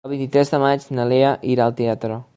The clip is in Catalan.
El vint-i-tres de maig na Lea irà al teatre.